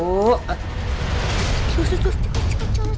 tuh tuh tuh